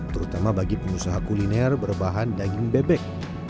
terutama bagi pengusaha kuliner berbahan daging bebek